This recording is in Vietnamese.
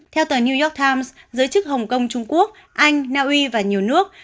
theo tờ new york times giới chức hồng kông trung quốc anh naui và nhiều nước